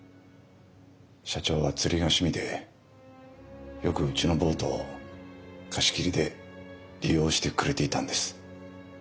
社長は釣りが趣味でよくうちのボートを貸し切りで利用してくれていたんです。